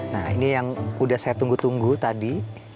nah ini yang sudah saya tunggu tunggu tadi